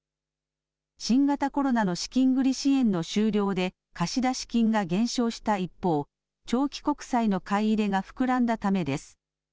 新型コロナの資金繰り支援の終了で貸出金が減少した一方、長期国債の買い入れが膨らんだためです。